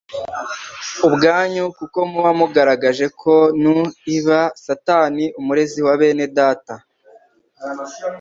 ubwanyu kuko muba mugaragaje ko nnu-i aba Satani umurezi wa bene data.